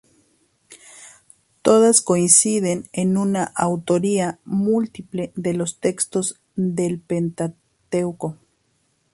Todas coinciden en una autoría múltiple de los textos del Pentateuco.